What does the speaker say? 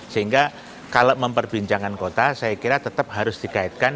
sehingga kalau memperbincangkan kota saya kira tetap harus dikaitkan